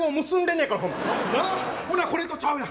ほなこれとちゃうやん。